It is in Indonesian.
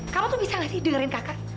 kalau tuh bisa gak sih dengerin kakak